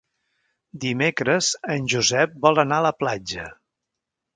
Dimecres en Josep vol anar a la platja.